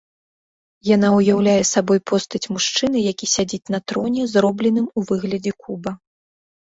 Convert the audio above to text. Яна ўяўляе сабой постаць мужчыны, які сядзіць на троне, зробленым у выглядзе куба.